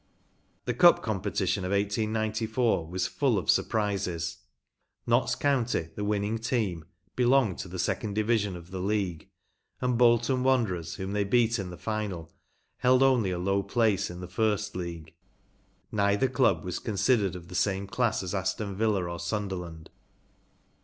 The Cup competition of 1894 was full of surprises. Notts County, the winning team, belonged to the second division of the league, and the Bolton Wanderers, whom they beat in the final, held only a low place in the First League. Neither club was con¬ sidered of the same class as Aston Villa or Sunderland.